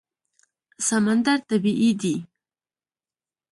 سمندر طبیعي دی.